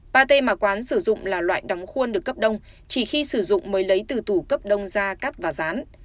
pate mà quán sử dụng là loại đóng khuôn được cấp đông chỉ khi sử dụng mới lấy từ tủ cấp đông da cắt và rán